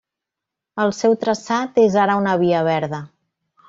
El seu traçat és ara una via verda.